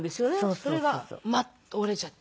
それがバッと折れちゃって。